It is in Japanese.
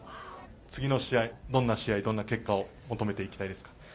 次の試合どんな試合、どんな結果を求めていきたいですか。